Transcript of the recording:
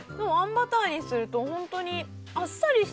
バターにするとホントに。